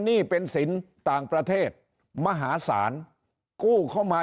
หนี้เป็นสินต่างประเทศมหาศาลกู้เข้ามา